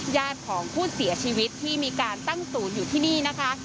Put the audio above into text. ญาติของผู้เสียชีวิตที่มีการตั้งศูนย์อยู่ที่นี่นะคะ